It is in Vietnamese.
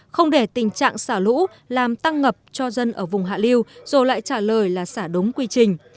không để tình trạng xả lũ làm tăng ngập cho dân ở vùng hạ liêu rồi lại trả lời là xả đúng quy trình